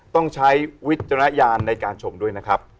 ต้องใช้วิจารณญาณในการชมด้วยนะครับ